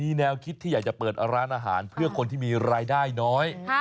มีแนวคิดที่อยากจะเปิดร้านอาหารเพื่อคนที่มีรายได้น้อย